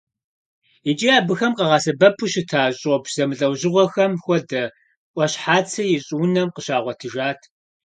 ИкӀи абыхэм къагъэсэбэпу щыта щӀопщ зэмылӀэужьыгъуэхэм хуэдэ Ӏуащхьацэ и щӀыунэм къыщагъуэтыжат.